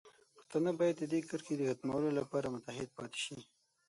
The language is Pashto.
پښتانه باید د دې کرښې د ختمولو لپاره متحد پاتې شي.